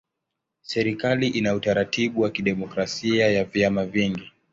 Serikali ina utaratibu wa kidemokrasia ya vyama vingi.